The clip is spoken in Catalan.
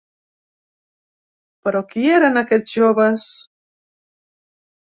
Però, qui eren aquests joves?